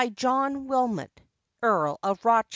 John Wilmot, Earl of Rochester.